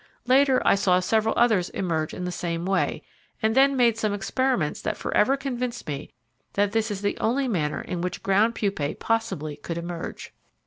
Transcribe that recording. Later I saw several others emerge in the same way, and then made some experiments that forever convinced me that this is the only manner in which ground pupae possibly could emerge.